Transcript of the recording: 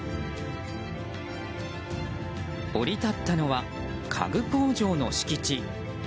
降り立ったのは家具工場の敷地。